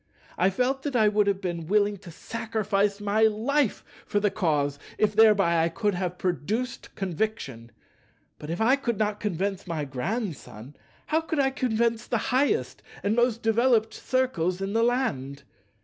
I felt that I would have been willing to sacrifice my life for the Cause, if thereby I could have produced conviction. But if I could not convince my Grandson, how could I convince the highest and most developed Circles in the land?